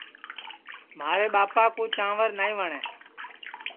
مھارے ٻاپا کُو چانٚور نائی وٹؔے